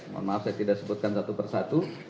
mohon maaf saya tidak sebutkan satu persatu